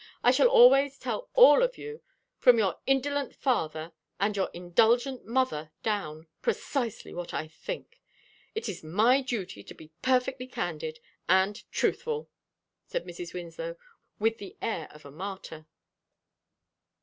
I shall always tell all of you from your indolent father and your indulgent mother down precisely what I think. It is my duty to be perfectly candid and truthful," said Mrs. Winslow with the air of a martyr.